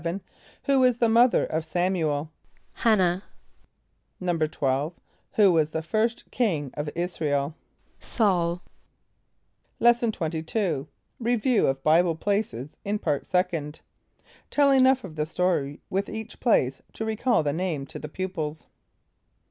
= Who was the mother of S[)a]m´u el? =H[)a]n´nah.= =12.= Who was the first king of [)I][s+]´ra el? =S[a:]ul.= Lesson XXII. Review of Bible Places in Part Second. (Tell enough of the story with each place to recall the name to the pupils.)